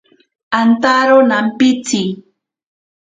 Antaro nampitsi.